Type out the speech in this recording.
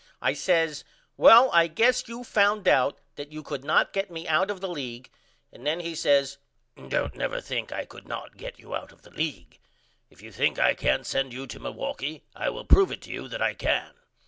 I says Well I guess you found out that you could not get me out of the league and then he says Don't never think I could not get you out of the league. If you think I can't send you to Milwaukee I will prove it to you that I can.